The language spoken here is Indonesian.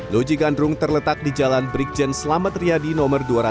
loji gandrung terletak di jalan brigjen selamat riadi no dua ratus enam puluh satu